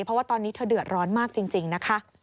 เพราะว่าตอนนี้เธอเดือดร้อนมากจริงนะคะ